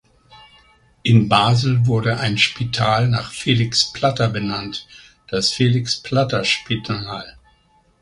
In Basel wurde ein Spital nach Felix Platter benannt: das Felix Platter-Spital.